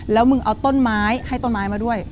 แล้วมึงเอาต้นไม้ให้ต้นไม้มาด้วย